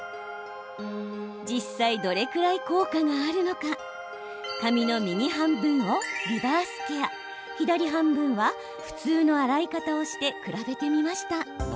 実際、どれくらい効果があるのか髪の右半分をリバースケア左半分は普通の洗い方をして比べてみました。